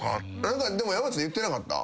でも山内さん言ってなかった？